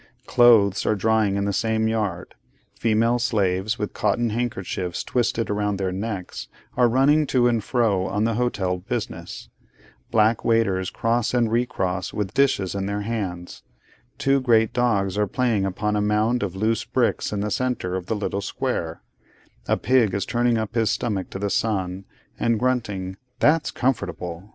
Clothes are drying in the same yard; female slaves, with cotton handkerchiefs twisted round their heads are running to and fro on the hotel business; black waiters cross and recross with dishes in their hands; two great dogs are playing upon a mound of loose bricks in the centre of the little square; a pig is turning up his stomach to the sun, and grunting 'that's comfortable!